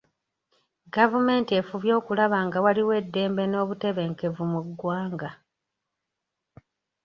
Gavumenti efubye okulaba nga waliwo eddembe n'obutebenkevu mu ggwanga.